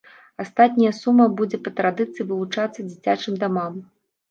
Астатняя сума будзе па традыцыі вылучацца дзіцячым дамам.